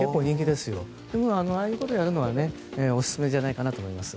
でも、ああいうことやるのはおすすめじゃないかと思います。